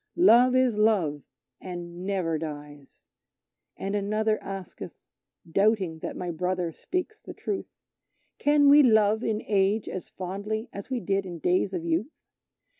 Love is Love, and never dies" And another asketh, doubting that my brother speaks the truth, "Can we love in age as fondly as we did in days of youth?